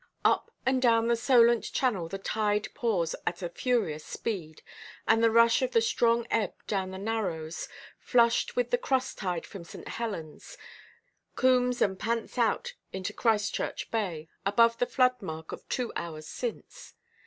Up and down the Solent channel the tide pours at a furious speed; and the rush of the strong ebb down the narrows, flushed with the cross–tide from St. Helenʼs, combs and pants out into Christchurch Bay, above the floodmark of two hours since.